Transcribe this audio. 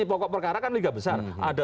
pokok perkara kan liga besar ada